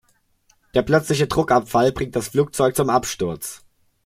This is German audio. Der plötzliche Druckabfall bringt das Flugzeug zum Absturz.